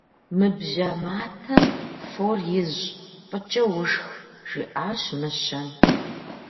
Мы бжьэ матэм фор изщ, фӏыкӏэ ушх, - жиӏащ мыщэм.